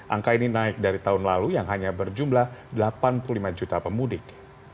angka ini naik dari tahun lalu yang hanya berjumlah delapan puluh lima juta pemudik